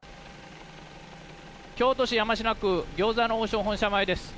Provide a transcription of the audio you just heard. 京都市山科区餃子の王将本社前です。